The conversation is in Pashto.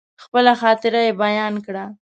خپله خاطره يې بيان کړه.